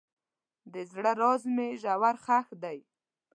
د زړه راز مې ژور ښخ دی.